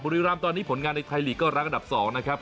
บุรีรำตอนนี้ผลงานในไทยลีกก็รักอันดับ๒นะครับ